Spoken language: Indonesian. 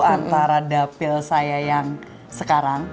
antara dapil saya yang sekarang